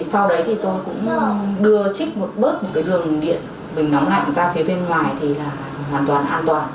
sau đấy thì tôi cũng đưa trích một bớt một cái đường điện bình nó lạnh ra phía bên ngoài thì là hoàn toàn an toàn